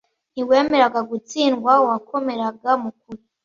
ntiwemeraga gutsindwa wakomeraga mukuri